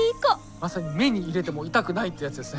まさに目に入れても痛くないってやつですね。